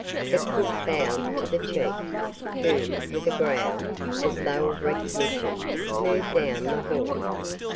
The crook bowed to the chief, who, with a growl as though of recognition, moved down the hall.